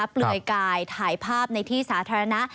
เปลือยกายถ่ายภาพในที่สาธารณะ